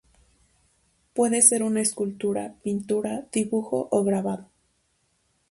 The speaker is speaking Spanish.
Puede ser una escultura, pintura, dibujo o grabado.